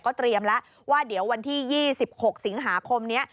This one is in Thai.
เตรียมแล้วว่าเดี๋ยววันที่๒๖สิงหาคมนี้